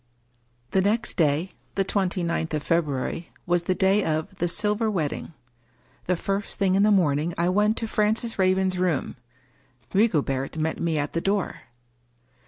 The next day (the twenty ninth of February) was the day of the " Silver Wedding." The first thing in the morn ing, I went to Francis Raven's room. Rigobert met me at the door.